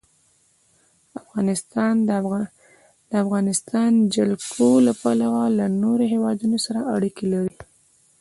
افغانستان د د افغانستان جلکو له پلوه له نورو هېوادونو سره اړیکې لري.